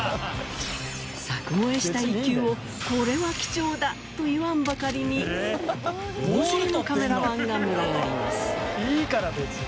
柵越えした一球をこれは貴重だと言わんばかりに大勢のカメラマンが群がります。